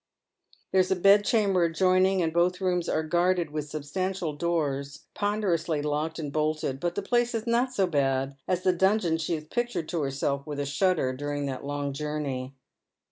There is a bed chamber adjoining, and both rooms are guarded with substantial doors, ponderously locked and bolted, but the place is not so bad as the dungeon she has pictured to herself with a shudder during that long journey.